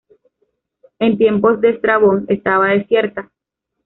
En tiempos de Estrabón estaba desierta.